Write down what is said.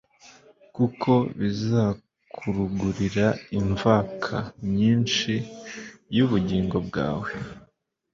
kuko bizakurugurira imvaka myinshi y'ubugingo bwawe,